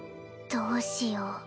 どうしよう